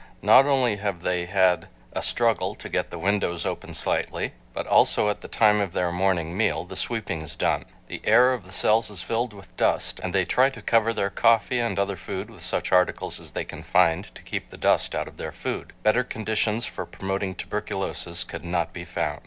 Not only have they had a struggle to get the windows open slightly, but also at the time of their morning meal, the sweeping is done. The air of the cells is filled with dust and they try to cover their coffee and other food with such articles as they can find to keep the dust out of their food. Better conditions for promoting tuberculosis could not be found.